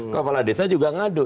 kepala desa juga ngadu